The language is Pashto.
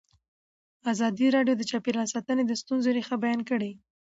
ازادي راډیو د چاپیریال ساتنه د ستونزو رېښه بیان کړې.